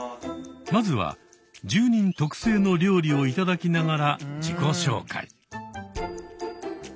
まずは住人特製の料理を頂きながら自己紹介。